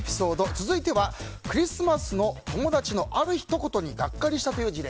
続いてはクリスマスの友達のあるひと言にガッカリしたという事例。